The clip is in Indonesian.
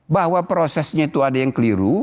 bahwa prosesnya itu ada yang keliru